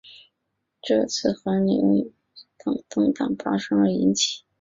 这次寒流因北极震荡发生而引起。